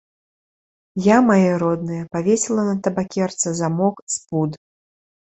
Я, мае родныя, павесіла на табакерцы замок з пуд.